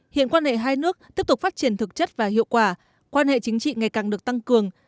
hiện quan hệ hai nước tiếp tục phát triển thực chất và hiệu quả quan hệ chính trị ngày càng được tăng cường